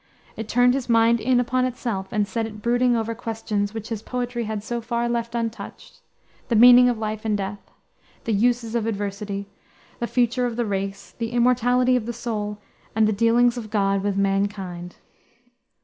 It turned his mind in upon itself, and set it brooding over questions which his poetry had so far left untouched; the meaning of life and death, the uses of adversity, the future of the race, the immortality of the soul, and the dealings of God with mankind.